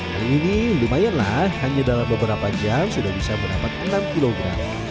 hari ini lumayan lah hanya dalam beberapa jam sudah bisa mendapat enam kilogram